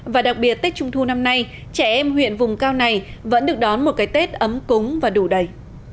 và đặc biệt tết trung thu năm nay trẻ em huyện vùng cao này vẫn được đón một cái tết ấm cúng và đủ đầy